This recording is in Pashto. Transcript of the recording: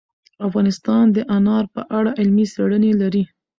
افغانستان د انار په اړه علمي څېړنې لري.